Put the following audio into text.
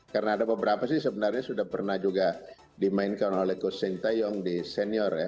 karena ada beberapa sih sebenarnya sudah pernah juga dimainkan oleh kusintayong di senior ya